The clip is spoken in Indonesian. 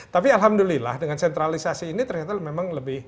tapi alhamdulillah dengan sentralisasi ini ternyata memang lebih